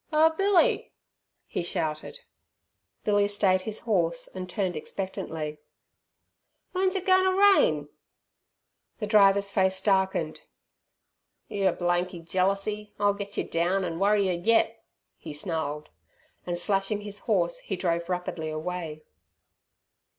"Oh, Billy!" he shouted. Billy stayed his horse and turned expectantly. "W'en's it goin' ter rain?" The driver's face darkened. "Your blanky jealersey 'll get yer down, an' worry yer yet," he snarled, and slashing his horse he drove rapidly away.